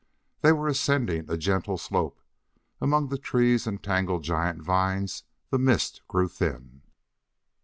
They were ascending a gentle slope; among the trees and tangled giant vines the mist grew thin.